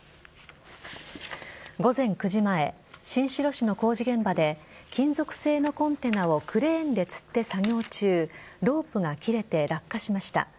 午前９時前、新城市の工事現場で金属製のコンテナをクレーンでつって作業中ロープが切れて、落下しました。